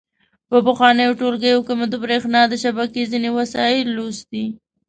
په پخوانیو ټولګیو کې مو د برېښنا د شبکې ځینې وسایل لوستي.